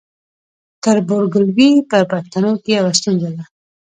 تربورګلوي په پښتنو کې یوه ستونزه ده.